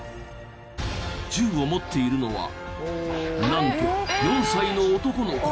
銃を持っているのはなんと４歳の男の子。